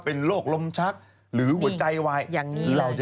พี่ชอบแซงไหลทางอะเนาะ